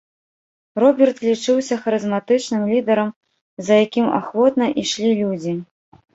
Роберт лічыўся харызматычным лідарам, за якім ахвотна ішлі людзі.